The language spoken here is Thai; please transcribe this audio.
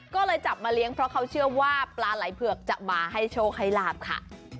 ก็เลยจับมาเลี้ยงเพราะเขาเชื่อว่าปลาไหล่เผือกจะมาให้โชคให้ลาบค่ะ